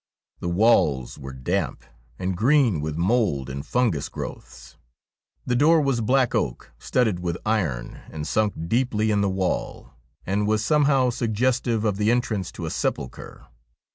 The walls were damp, and green with mould and fungus growths. The door was black oak, studded with iron, and sunk deeply in the wall, and was somehow suggestive of the entrance to a sepulchre.